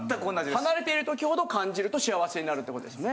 離れている時ほど感じると幸せになるってことですね。